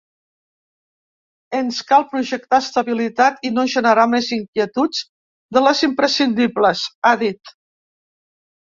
Ens cal projectar estabilitat i no generar més inquietuds de les imprescindibles, ha dit.